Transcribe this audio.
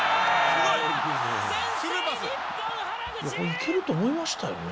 いけると思いましたよね。